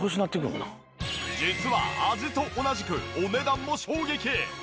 実は味と同じくお値段も衝撃！